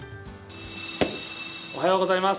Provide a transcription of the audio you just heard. おはようございます。